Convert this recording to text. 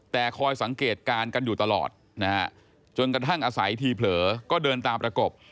แต่คอยสังเกตการณ์กันอยู่ตลอดนะฮะจนกระทั่งอาศัยทีเผลอก็เดินตามประกบ